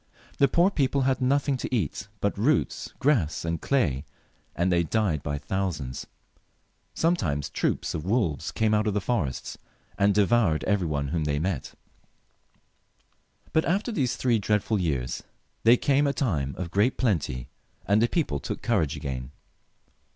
The poor people had nothing to eat but roots, grass, and clay, and they died by thousands. Sometimes troops of wolves came out of the forests, and devoured every one whom they met. But after these three dreadful years there came a time of great plenty, and the people took courage again.